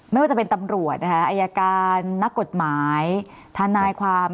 ไม่ว่าจะเป็นตำรวจนะคะอายการนักกฎหมายทนายความ